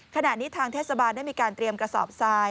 ขณะนี้ทางเทศบาลได้มีการเตรียมกระสอบทราย